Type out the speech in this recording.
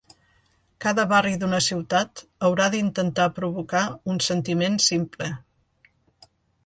Cada barri d'una ciutat haurà d'intentar provocar un sentiment simple